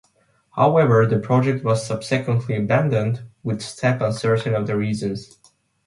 However, the project was subsequently abandoned, with Stapp uncertain of the reasons.